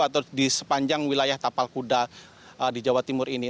atau di sepanjang wilayah tapal kuda di jawa timur ini